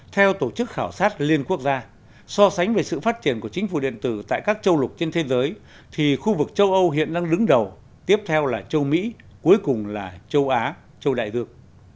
theo tổ chức khảo sát liên quốc gia so sánh về sự phát triển của chính phủ điện tử tại các châu lục trên thế giới thì khu vực châu âu hiện đang đứng đầu tiếp theo là châu mỹ cuối cùng là châu á châu đại dương